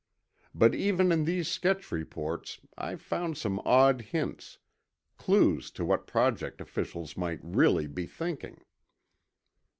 But even in these sketch reports, I found some odd hints, clues to what Project officials might really be thinking.